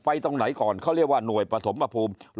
ตรงไหนก่อนเขาเรียกว่าหน่วยปฐมภูมิ